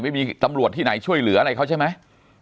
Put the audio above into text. ไม่มีตำรวจที่ไหนช่วยเหลืออะไรเขาใช่ไหม